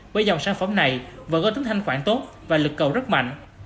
bởi dòng sản phẩm này vẫn có tính thanh khoản tốt và lực cầu rất mạnh